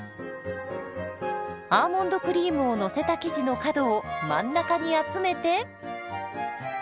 アーモンドクリームをのせた生地の角を真ん中に集めて。